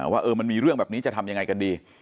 ว่ามันมีเรื่องแบบนี้จะทำยังไงกันดี